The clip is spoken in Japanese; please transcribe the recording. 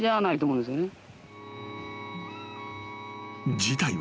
［事態は］